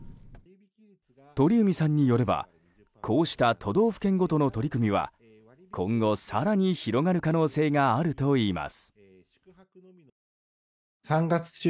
鳥海さんによればこうした都道府県ごとの取り組みは今後、更に広がる可能性があるといいます。